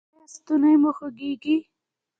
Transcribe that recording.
ایا ستونی مو خوږیږي؟